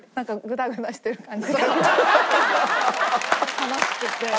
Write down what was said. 楽しくて。